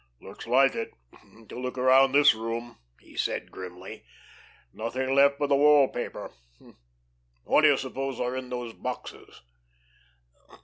"Looks like it, to look around this room," he said, grimly. "Nothing left but the wall paper. What do you suppose are in these boxes?"